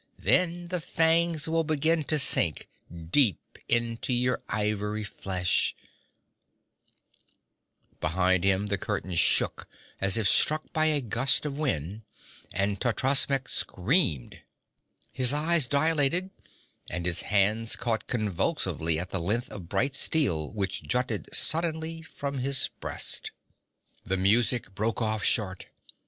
Then the fangs will begin to sink deep into your ivory flesh ' Behind him the curtain shook as if struck by a gust of wind, and Totrasmek screamed. His eyes dilated and his hands caught convulsively at the length of bright steel which jutted suddenly from his breast. The music broke off short.